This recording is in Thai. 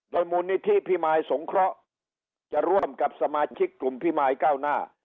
โดยมูลนิธิพิมายสงเคราะห์จะร่วมกับสมาชิกกลุ่มพิมายก้าวหน้า